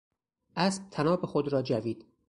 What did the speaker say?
اسب طناب خود را جوید.